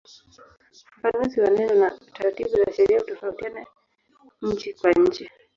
Ufafanuzi wa neno na taratibu za sheria hutofautiana nchi kwa nchi.